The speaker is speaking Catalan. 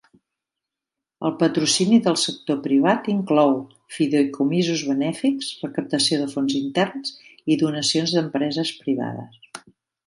El patrocini del sector privat inclou fideïcomisos benèfics, recaptació de fons interns i donacions d'empreses privades.